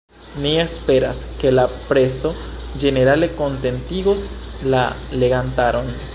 Ni esperas, ke la preso ĝenerale kontentigos la legantaron.